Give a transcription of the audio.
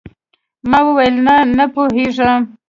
ما وويل نه نه پوهېږم.